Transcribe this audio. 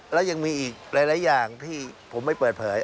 แล้วยังมีอีกหลายอย่างที่ผมไม่เปิดเผย